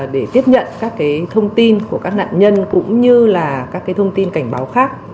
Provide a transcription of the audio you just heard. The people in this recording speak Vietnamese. để tiếp nhận các thông tin của các nạn nhân cũng như là các thông tin cảnh báo khác